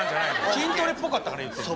筋トレっぽかったから言ってんの。